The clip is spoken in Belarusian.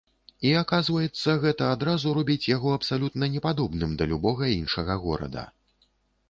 І аказваецца, гэта адразу робіць яго абсалютна не падобным да любога іншага горада.